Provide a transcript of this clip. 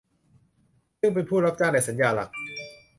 ซึ่งเป็นผู้รับจ้างในสัญญาหลัก